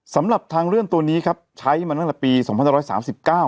สำหรับทางเลื่อนตัวนี้ครับใช้มาตั้งแต่ปีสองพันร้อยสามสิบเก้า